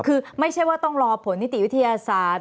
คือไม่ใช่ว่าต้องรอผลนิติวิทยาศาสตร์